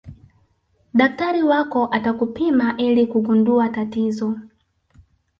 daktari wako atakupima ili kugundua tatizo